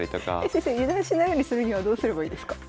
先生油断しないようにするにはどうすればいいですか？